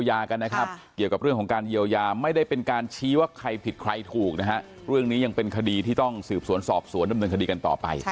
แต่แม่ลุ้งทางขวาแล้วโดนรถ